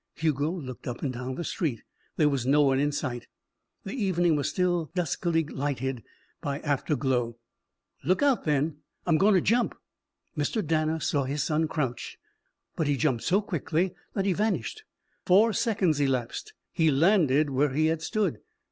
Hugo looked up and down the street. There was no one in sight. The evening was still duskily lighted by afterglow. "Look out then. I'm gonna jump." Mr. Danner saw his son crouch. But he jumped so quickly that he vanished. Four seconds elapsed. He landed where he had stood.